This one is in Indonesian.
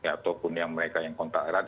ataupun yang mereka yang kontak erat